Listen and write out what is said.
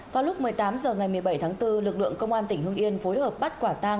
vào lúc một mươi tám h ngày một mươi bảy tháng bốn lực lượng công an tỉnh hưng yên phối hợp bắt quả tang